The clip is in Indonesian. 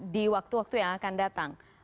di waktu waktu yang akan datang